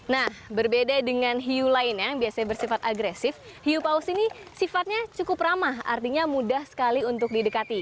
nah berbeda dengan hiu lainnya yang biasanya bersifat agresif hiu paus ini sifatnya cukup ramah artinya mudah sekali untuk didekati